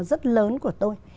rất lớn của tôi